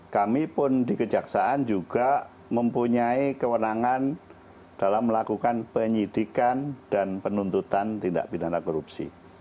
kami pun di kejaksaan juga mempunyai kewenangan dalam melakukan penyidikan dan penuntutan tindak pidana korupsi